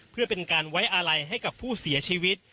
เพื่อเป็นการไว้อาลัยให้กับผู้เสียชีวิต